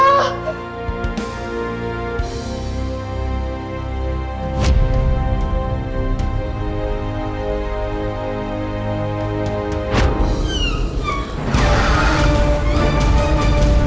lah tadi tuan bang